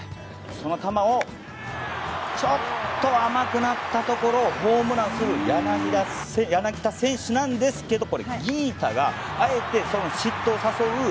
その球をちょっと甘くなったところをホームランする柳田選手なんですけどこれ、ギータがあえて失投を誘う。